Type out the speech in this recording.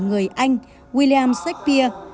người anh william shakespeare